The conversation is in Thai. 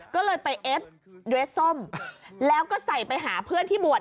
ก็เลยไปเอฟเรสส้มแล้วก็ใส่ไปหาเพื่อนที่บวช